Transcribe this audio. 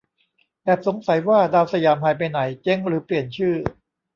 แอบสงสัยว่า ดาวสยาม หายไปไหน เจ๊งหรือเปลี่ยนชื่อ